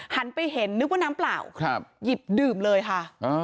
หันไปเห็นนึกว่าน้ำเปล่าหยิบดื่มเลยค่ะ